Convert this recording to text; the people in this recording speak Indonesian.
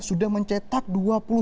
sudah mencetak dua puluh satu gol